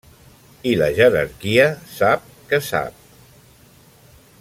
I la jerarquia sap que sap.